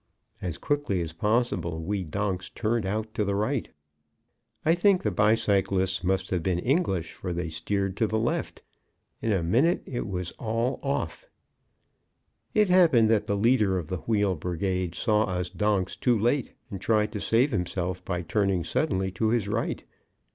As quickly as possible we donks turned out to the right. I think the bicyclists must have been English, for they steered to the left. In a minute "it was all off." It happened that the leader of the wheel brigade saw us donks too late and tried to save himself by turning suddenly to his right.